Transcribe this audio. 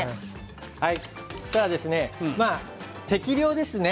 適量ですね。